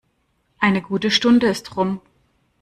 Eine gute Stunde ist rum.